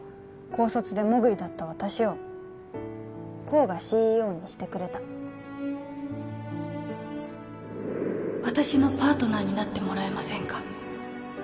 高卒でもぐりだった私を功が ＣＥＯ にしてくれた私のパートナーになってもらえませんか？